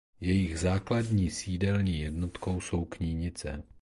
Jejich základní sídelní jednotkou jsou Knínice.